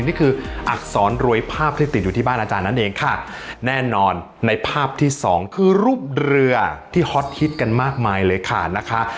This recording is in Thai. นี่คืออักษรรวยภาพที่ติดอยู่ที่บ้านอาจารย์นั่นเองค่ะแน่นอนในภาพที่สองคือรูปเรือที่ฮอตฮิตกันมากมายเลยค่ะนะคะ